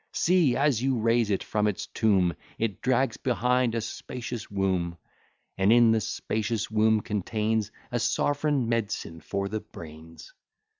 See! as you raise it from its tomb, It drags behind a spacious womb, And in the spacious womb contains A sov'reign med'cine for the brains.